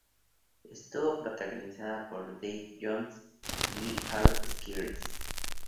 Estuvo protagonizada por Dave Johns y Hayley Squires.